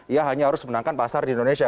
ya hanya harus memenangkan pasar di indonesia